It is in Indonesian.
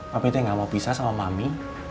papih tuh gak mau pisah sama mami